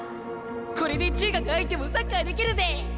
これで中学入ってもサッカーできるぜ！